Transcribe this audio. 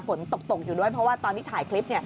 ฝนตกอยู่ด้วยเพราะว่าตอนที่ถ่ายคลิป